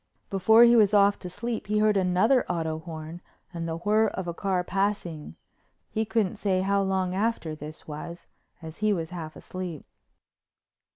Before he was off to sleep he heard another auto horn and the whirr of a car passing. He couldn't say how long after this was, as he was half asleep.